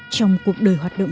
trong cuộc đời hoạt động